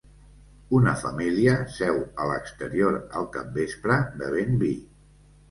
Una família seu a l'exterior al capvespre bevent vi